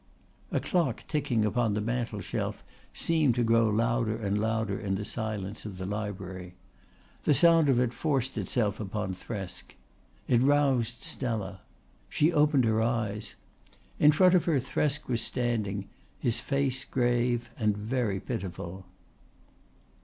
A clock ticking upon the mantelshelf seemed to grow louder and louder in the silence of the library. The sound of it forced itself upon Thresk. It roused Stella. She opened her eyes. In front of her Thresk was standing, his face grave and very pitiful.